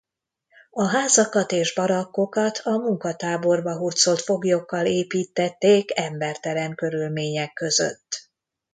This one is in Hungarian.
A házakat és barakkokat a munkatáborba hurcolt foglyokkal építtették embertelen körülmények között.